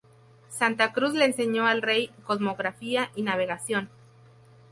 Santa Cruz le enseñó al rey cosmografía y navegación.